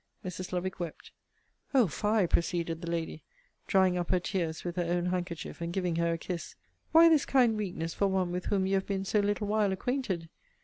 Mrs. Lovick wept. O fie! proceeded the Lady, drying up her tears with her own handkerchief, and giving her a kiss Why this kind weakness for one with whom you have been so little while acquainted?